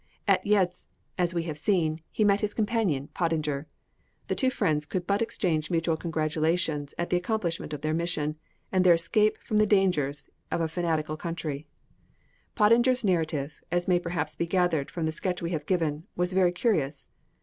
At Yezd, as we have seen, he met his companion, Pottinger. The two friends could but exchange mutual congratulations at the accomplishment of their mission, and their escape from the dangers of a fanatical country. Pottinger's narrative, as may perhaps be gathered from the sketch we have given, was very curious.